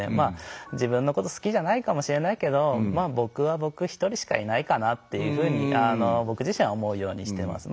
自分のこと好きじゃないかもしれないけど僕は僕一人しかいないかなっていうふうに僕自身は思うようにしてます。